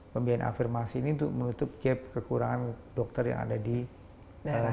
pembiayaan afirmasi ini untuk melutup kekurangan dokter yang ada di daerah